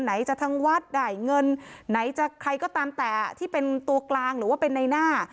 ไหนจะทางวัดได้เงินไหนจะใครก็ตามแต่ที่เป็นตัวกลางหรือว่าเป็นในหน้า